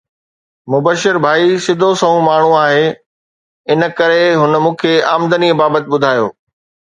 مبشر ڀائي سڌو سنئون ماڻهو آهي، ان ڪري هن مون کي آمدني بابت ٻڌايو